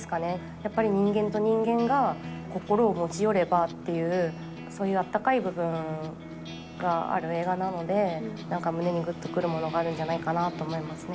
やっぱり人間と人間が心を持ち寄ればっていう、そういうあったかい部分がある映画なので、胸にぐっとくるものがあるんじゃないかなと思いますね。